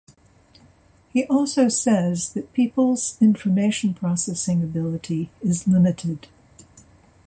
He also says that peoples' information processing ability is limited.